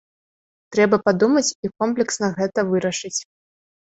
Трэба падумаць і комплексна гэта вырашыць.